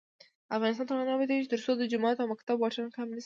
افغانستان تر هغو نه ابادیږي، ترڅو د جومات او مکتب واټن کم نشي.